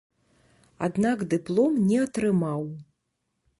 Аднак дыплом не атрымаў.